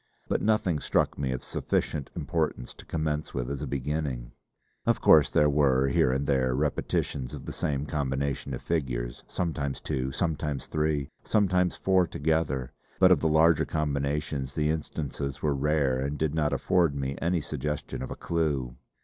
But nothing struck me of sufficient importance to commence with as a beginning. Of course there were here and there repetitions of the same combination of figures, sometimes two, sometimes three, sometimes four together; but of the larger combinations the instances were rare and did not afford me any suggestion of a clue!